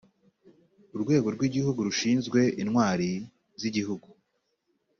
urwego rw igihugu rushinzwe intwari z igihugu